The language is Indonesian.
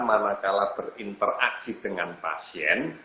manakala berinteraksi dengan pasien